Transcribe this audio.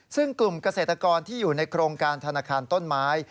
ซึ่งกลุ่มเกษตรกรที่อยู่ในโครงการธนาคารต้นไม้